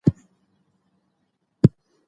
د خلکو ګډون د حل لاره برابروي